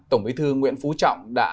tổng bí thư nguyễn phú trọng đã